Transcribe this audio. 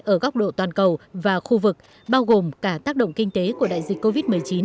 ở góc độ toàn cầu và khu vực bao gồm cả tác động kinh tế của đại dịch covid một mươi chín